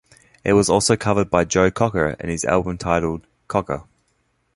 It was also covered by Joe Cocker on his album titled "Cocker".